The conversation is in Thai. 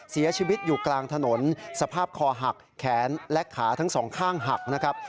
เสียชีวิตอยู่กลางถนนสภาพคอหักแขนและขาทั้งสองข้างหักนะครับ